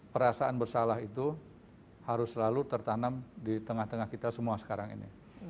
perasaan bersalah itu harus selalu tertanam di tengah tengah kita semua sekarang ini